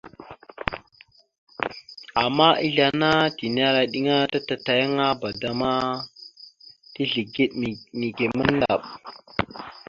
Ama ezle ana tinera iɗəŋa ta tatayaŋaba da ma tizlegeɗ nike mandap.